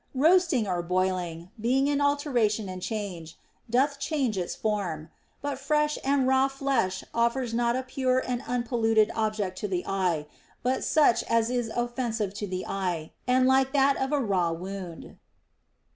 Roasting or boiling, being an alteration and change, doth change its form ; but fresh and raw flesh offers not a pure and unpolluted object to the eye, but such as is offensive to the eye, and like that of a raw wound.